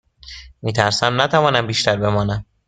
می ترسم نتوانم بیشتر بمانم.